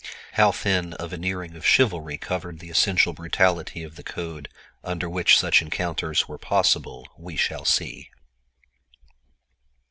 How thin a veneering of "chivalry" covered the essential brutality of the code under which such encounters were possible we shall see.